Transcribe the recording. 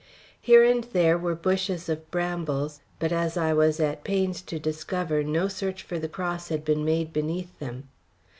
Here and there were bushes of brambles, but, as I was at pains to discover, no search for the cross had been made beneath them.